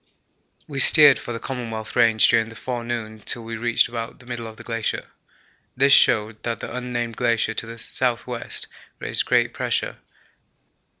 We steered for the Commonwealth Range during the forenoon till we reached about the middle of the glacier. This showed that the unnamed glacier to the S.W. raised great pressure.